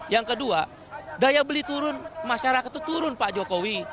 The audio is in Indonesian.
yang kedua daya beli turun masyarakat itu turun pak jokowi